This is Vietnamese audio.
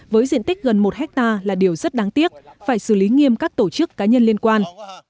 với diện tích gần một hectare là điều rất đáng tiếc phải xử lý nghiêm các tổ chức cá nhân liên quan